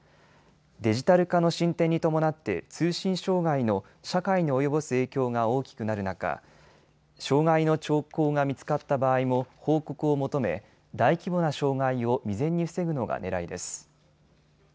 デジタル化の進展に伴って通信障害の社会に及ぼす影響が大きくなる中、障害の兆候が見つかった場合も報告を求め、大規模な障害を未然に防ぐのがねらいです。